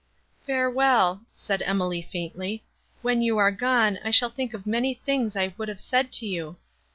"Farewell!" said Emily faintly. "When you are gone, I shall think of many things I would have said to you."